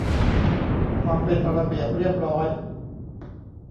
ความเป็นระเบียบเรียบร้อย